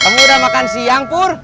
kamu udah makan siang pur